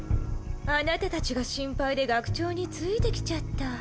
あなたたちが心配で学長についてきちゃった。